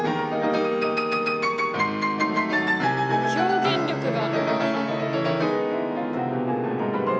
表現力が。